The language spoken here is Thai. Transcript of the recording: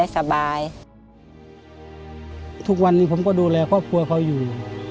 สบายทุกวันนี้ผมก็ดูแลครอบครัวเขาอยู่